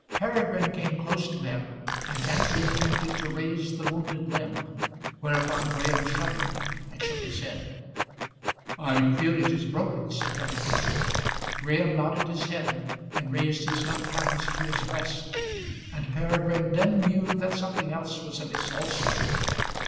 Peregrine came close to him, and gently attempted to raise the wounded limb; whereupon Graham shuddered, and shook his head. "I fear it is broken," said Peregrine. Graham nodded his head, and raised his left hand to his breast; and Peregrine then knew that something else was amiss also.